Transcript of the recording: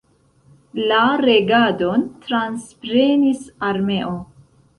La regadon transprenis armeo.